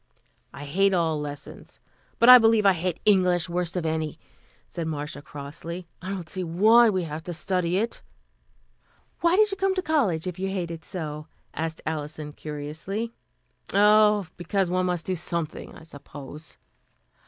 "I hate all lessons, but I believe I hate English worst of any," said Marcia crossly. "I don't see why we have to study it." "Why did you come to college, if you hate it so?" asked Alison curiously. "Oh, because one must do something, I suppose."